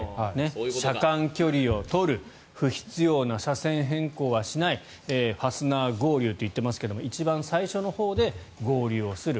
車間距離を取る不必要な車線変更はしないファスナー合流といっていますが一番最初のほうで合流をする。